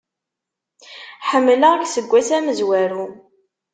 Ḥemmleɣ-k seg ass amezwaru.